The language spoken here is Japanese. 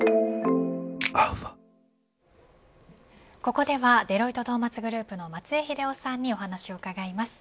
ここではデロイトトーマツグループの松江英夫さんにお話を伺います。